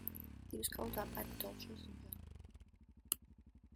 He was called up by the Dodgers in June.